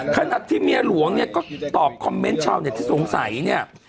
ขณะที่เมียหลวงก็ตอบคอมเม้นท์ชาวเนี่ยที่สงสัยเนี่ย